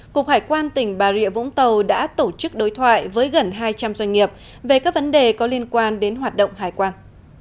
cục hải quan tỉnh bà rịa vũng tàu đã tổ chức đối thoại với gần hai trăm linh doanh nghiệp về các vấn đề có liên quan đến hoạt động hải quan